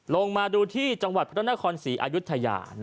ลงมาดูที่จังหวัดพระนครศรีอายุทยา